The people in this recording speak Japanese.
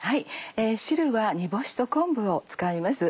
汁は煮干しと昆布を使います。